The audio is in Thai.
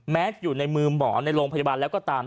อยู่ในมือหมอในโรงพยาบาลแล้วก็ตาม